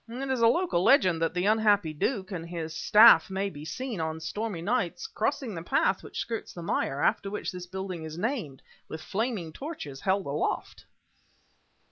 It is a local legend that the unhappy Duke and his staff may be seen, on stormy nights, crossing the path which skirts the mire, after which this building is named, with flaming torches held aloft."